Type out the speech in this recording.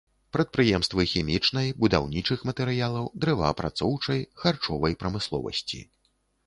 Прадпрыемствы хімічнай, будаўнічых матэрыялаў, дрэваапрацоўчай, харчовай прамысловасці.